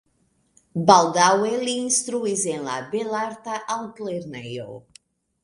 Baldaŭe li instruis en la belarta altlernejo.